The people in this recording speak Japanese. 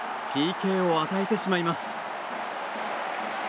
ＰＫを与えてしまいます。